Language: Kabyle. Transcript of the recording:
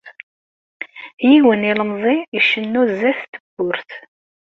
Yiwen ilemẓi icennu sdat n tewwurt.